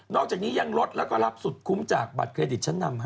อกจากนี้ยังลดแล้วก็รับสุดคุ้มจากบัตรเครดิตชั้นนำ